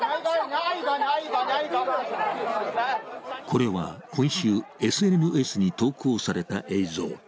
これは今週、ＳＮＳに投稿された映像。